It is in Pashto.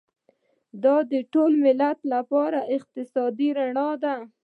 دا د ټول ملت لپاره اقتصادي رڼا ده.